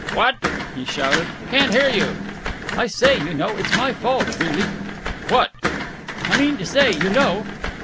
"What?" he shouted. "Can't hear you!" "I say, you know, it's my fault, really." "What?" "I mean to say, you know...."